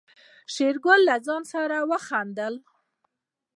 شېرګل له ځان سره خندل.